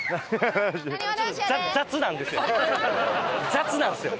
雑なんですよ！